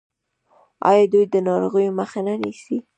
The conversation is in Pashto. آیا دوی د ناروغیو مخه نه نیسي؟